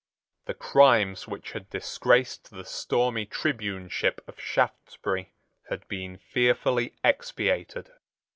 The crimes which had disgraced the stormy tribuneship of Shaftesbury had been fearfully expiated.